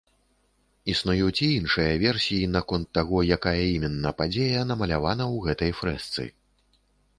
Існуюць і іншыя версіі, наконт таго, якая іменна падзея намалявана ў гэтай фрэсцы.